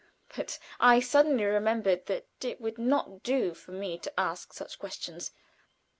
but I suddenly remembered that it would not do for me to ask such questions.